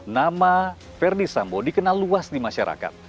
nama verdi sambo dikenal luas di masyarakat